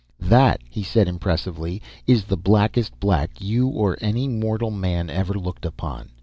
"That," he said impressively, "is the blackest black you or any mortal man ever looked upon.